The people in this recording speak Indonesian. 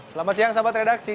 selamat siang sahabat redaksi